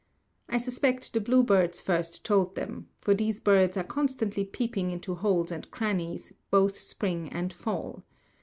I suspect the bluebirds first told them, for these birds are constantly peeping into holes and crannies, both spring and fall.